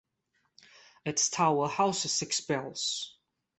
Its tower houses six bells.